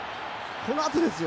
このあとですよ。